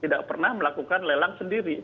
tidak pernah melakukan lelang sendiri